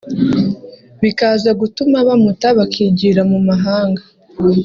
bikaza gutuma bamuta bakigira mu mahanga